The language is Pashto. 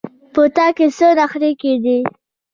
په تا کې څه نخرې کېدې.